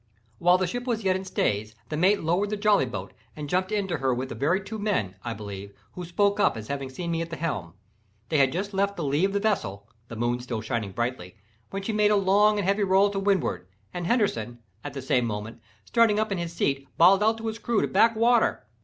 While the ship was yet in stays, the mate lowered the jolly boat and jumped into her with the very two men, I believe, who spoke up as having seen me at the helm. They had just left the lee of the vessel (the moon still shining brightly) when she made a long and heavy roll to windward, and Henderson, at the same moment, starting up in his seat bawled out to his crew to back water.